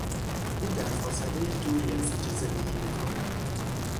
او در فاصلهی دوری از اینجا زندگی میکند.